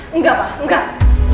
enggak pak enggak